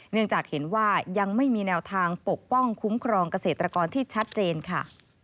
เนื่องจากเห็นว่ายังไม่มีแนวทางปกป้องคุ้มครองเกษตรกรที่ชัดเจนค่ะ